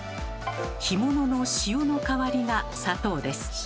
干物の塩の代わりが砂糖です。